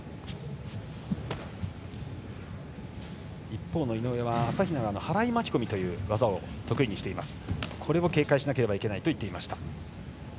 一方の井上は朝比奈が払い巻き込みという技を得意にしていますがこれを警戒しなければいけないと言っていました。